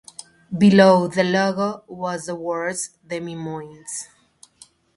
Below the logo was the words, Des Moines.